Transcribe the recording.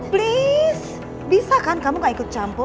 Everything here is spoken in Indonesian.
please bisa kan kamu gak ikut campur